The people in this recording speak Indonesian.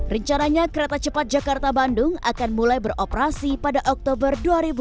rencananya kereta cepat jakarta bandung akan mulai beroperasi pada oktober dua ribu dua puluh